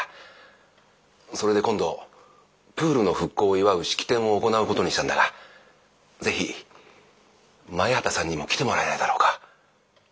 それで今度プールの復興を祝う式典を行うことにしたんだが是非前畑さんにも来てもらえないだろうか？